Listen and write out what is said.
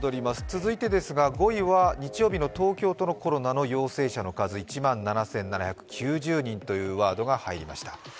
続いてですが、５位は東京都コロナの陽性者の数、１万７７９０人というワードが入りました。